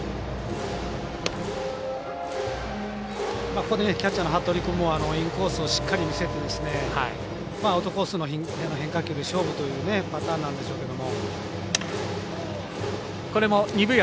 ここでキャッチャーの服部君もインコースをしっかり見せてアウトコースの変化球で勝負というパターンなんでしょうけども。